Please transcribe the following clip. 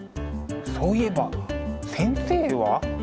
そういえば先生は？